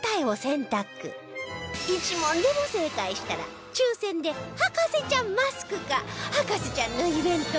１問でも正解したら抽選で博士ちゃんマスクか『博士ちゃん』のイベント